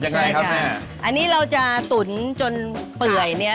ยังไงครับแม่อันนี้เราจะตุ๋นจนเปื่อยเนี้ย